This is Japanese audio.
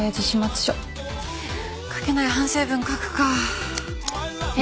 書けない反省文書くか。